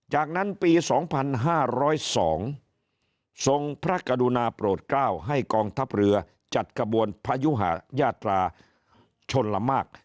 จากนั้นปี๒๕๐๒ทรงพระกรุณาโปรดกล้าวให้กองทัพเรือจัดกระบวนพยุหายาตราชนละมาก